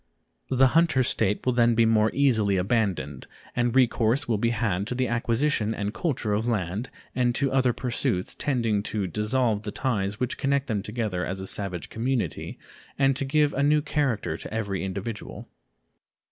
The hunter state will then be more easily abandoned, and recourse will be had to the acquisition and culture of land and to other pursuits tending to dissolve the ties which connect them together as a savage community and to give a new character to every individual.